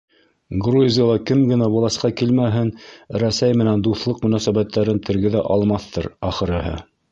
Грузияла кем генә власҡа килмәһен, Рәсәй менән дуҫлыҡ мөнәсәбәттәрен тергеҙә алмаҫтыр, ахырыһы.